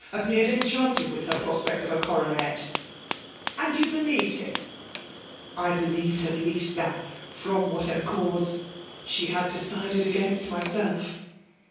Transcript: appeared enchanted with her prospect of a coronet." F£MALK DOMINATION. 1^7 '" And you believed him ?'*." I believed at least that« from vrhatever cause, she had decided against myself.